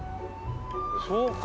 そう。